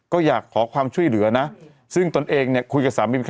ก็อยากขอความช่วยเหลือนะซึ่งตนเองเนี่ยคุยกับสามี